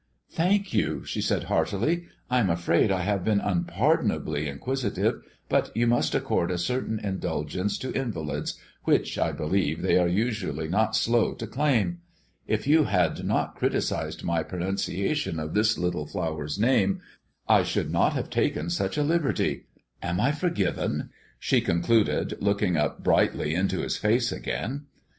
"Thank you," she said heartily. "I'm afraid I have been unpardonably inquisitive; but you must accord a certain indulgence to invalids, which, I believe, they are usually not slow to claim. If you had not criticised my pronunciation of this little flower's name, I should not have taken such a liberty. Am I forgiven?" she concluded, looking up brightly into his face again.